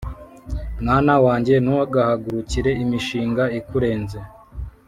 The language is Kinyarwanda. Mwana wanjye, ntugahagurukire imishinga ikurenze,